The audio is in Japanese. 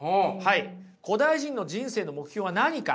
古代人の人生の目標は何か。